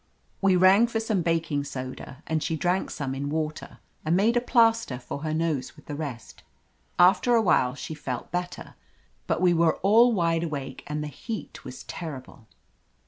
We rang for some baking soda, and she drank some in water and made a plaster for her nose with the rest. After a while she 256 OF LETITIA CARBERRY felt better, but we were all wide awake and the heat was terrible.